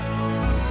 gue malu banget